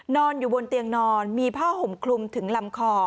นอนอยู่บนเตียงนอนมีผ้าห่มคลุมถึงลำคอ